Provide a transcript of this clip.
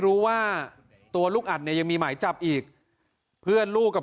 ส่งมาขอความช่วยเหลือจากเพื่อนครับ